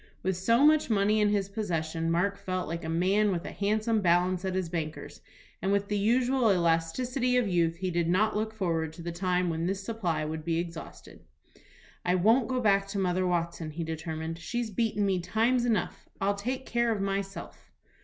With so much money in his possession, Mark felt like a man with a handsome balance at his banker's, and with the usual elasticity of youth he did not look forward to the time when this supply would be exhausted. "I won't go back to Mother Watson," he determined. "She's beaten me times enough. I'll take care of myself."